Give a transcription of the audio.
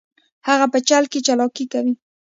هغه په چل کې چلاکي کوي